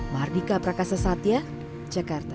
mardika prakasa satya jakarta